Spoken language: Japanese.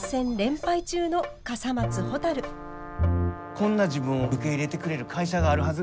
こんな自分を受け入れてくれる会社があるはず